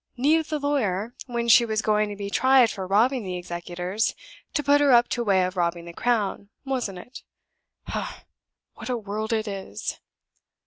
Neat of the lawyer, when she was going to be tried for robbing the executors, to put her up to a way of robbing the Crown, wasn't it? Ha! ha! what a world it is!"